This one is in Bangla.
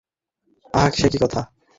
আহা সে কী কথা।